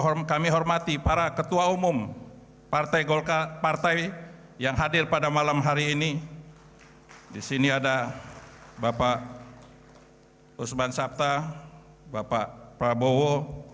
harapan arum gandanyo